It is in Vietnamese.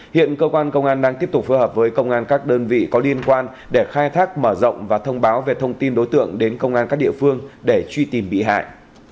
hiện cơ quan công an đang tiếp tục phù hợp với công an các đơn vị có liên quan để khai thác mở rộng và thông báo về thông tin đối tượng đến công an các địa phương để truy tìm bị hại